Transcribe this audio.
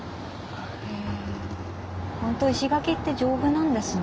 ほんと石垣って丈夫なんですね。